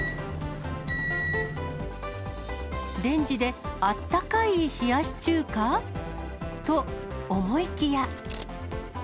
レンジであったかい冷やし中華？と思いきや。